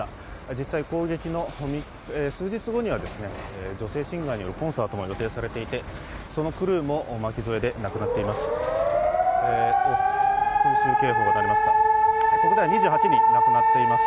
実際攻撃の数日後には女性シンガーによるコンサートが予定されていてそのクルーも巻き添えで亡くなっています。